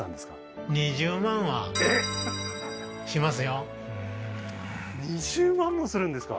しますよ２０万もするんですか